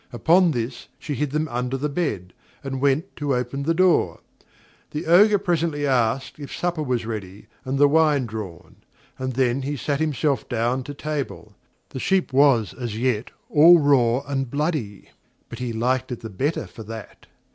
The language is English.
Upon this she hid them under the bed, and went to open the door. The Ogre presently asked if supper was ready, and the wine drawn; and then he sat himself down to table. The sheep was as yet all raw and bloody; but he liked it the better for that.